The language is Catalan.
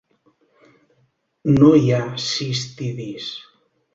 No hi ha cistidis.